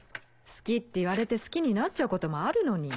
好きって言われて好きになっちゃうこともあるのに。